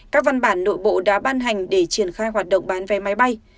các văn bản nội bộ đã ban hành để triển khai hoạt động bán vé máy bay